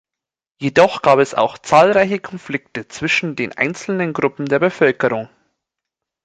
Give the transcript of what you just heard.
Jedoch gab es auch zahlreiche Konflikte zwischen den einzelnen Gruppen der Bevölkerung.